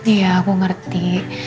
iya aku ngerti